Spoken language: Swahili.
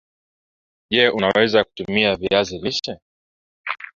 Je! unawezaje kutumia viazi lishe